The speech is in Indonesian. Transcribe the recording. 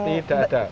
tidak ada tidak ada